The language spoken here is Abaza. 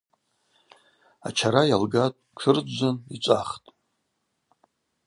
Ачара йалгатӏ, тшырджвджван йчӏвахтӏ.